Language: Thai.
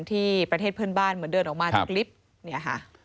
ที่ประเทศเพื่อนบ้านเหมือนเดินออกมาจากลิฟต์เนี่ยค่ะ